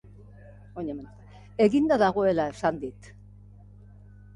Eginda dagoela esan dit.